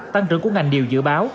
tăng trưởng của ngành điều dự báo